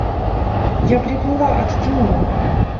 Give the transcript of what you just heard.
– Я приплыла от Тимура.